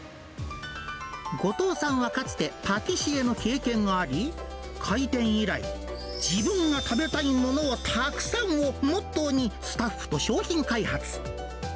後藤さんはかつてパティシエの経験があり、開店以来、自分が食べたいものをたくさんをモットーに、スタッフと商品開発。